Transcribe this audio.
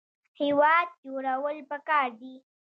هیواد جوړول پکار دي